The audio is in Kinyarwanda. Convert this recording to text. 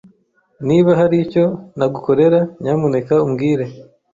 Niba hari icyo nagukorera, nyamuneka umbwire.